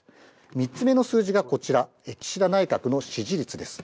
３つ目の数字がこちら、岸田内閣の支持率です。